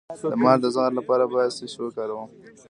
د مار د زهر لپاره باید څه شی وکاروم؟